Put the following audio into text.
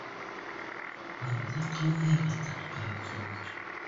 Улар оҙаҡ ҡына аяҡ аҫтарына ҡарап атланылар